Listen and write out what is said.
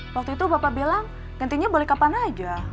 waktu itu bapak bilang gantinya boleh kapan aja